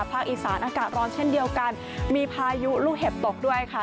อีสานอากาศร้อนเช่นเดียวกันมีพายุลูกเห็บตกด้วยค่ะ